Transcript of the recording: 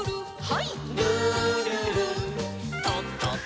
はい。